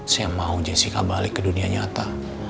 saya mau jessica balik ke dunia nyata